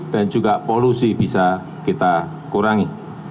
dan juga polusi bisa kita kurangi